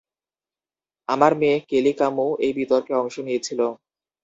তার মেয়ে কেলি কামও এই বিতর্কে অংশ নিয়েছিল।